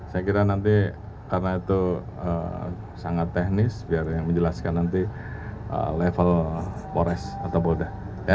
saya kira nanti karena itu sangat teknis biar menjelaskan nanti level forest atau polda